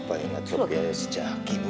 bapak ingat tuh biaya sejak haki bu